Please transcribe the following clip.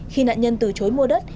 khi nạn nhân từ chối mua đất